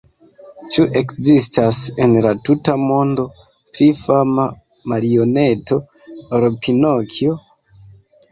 Ĉu ekzistas, en la tuta mondo, pli fama marioneto ol Pinokjo?